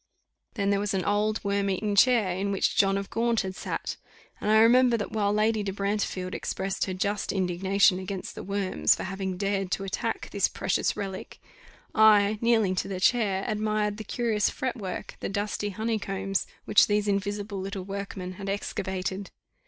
Then there was an old, worm eaten chair, in which John of Gaunt had sat; and I remember that while Lady de Brantefield expressed her just indignation against the worms, for having dared to attack this precious relique, I, kneeling to the chair, admired the curious fretwork, the dusty honeycombs, which these invisible little workmen had excavated.